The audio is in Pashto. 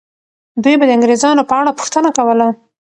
دوی به د انګریزانو په اړه پوښتنه کوله.